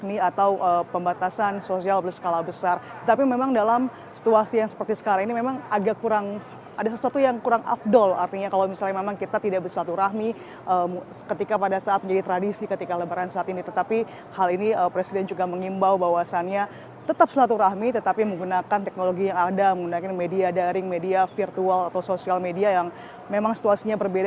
ini tentunya lady adalah untuk bagaimana mencari